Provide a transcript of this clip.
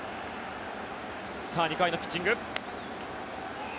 さあ、２回のピッチング。